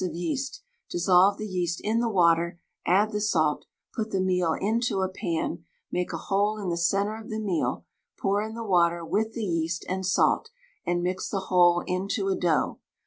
of yeast; dissolve the yeast in the water, add the salt, put the meal into a pan, make a hole in the centre of the meal, pour in the water with the yeast and salt, and mix the whole into a dough.